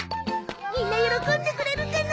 みんな喜んでくれるかな。